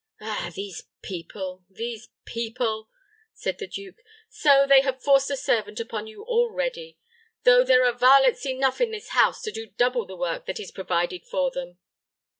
"Ah! these people these people!" said the duke; "so they have forced a servant upon you already, though there are varlets enough in this house to do double the work that is provided for them.